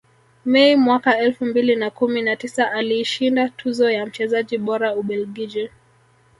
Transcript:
Mei mwaka elfu mbili na kumi na tisa aliishinda tuzo ya mchezaji bora Ubelgiji